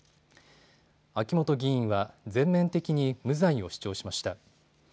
秋元議員は全面的に無罪を主張しました。